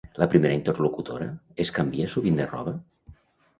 La primera interlocutora es canvia sovint de roba?